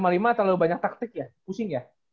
lima puluh lima terlalu banyak taktik ya pusing ya